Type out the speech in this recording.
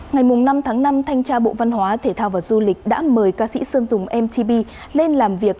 ngày năm tháng năm thanh tra bộ văn hóa thể thao và du lịch đã mời ca sĩ sơn dùng mtb lên làm việc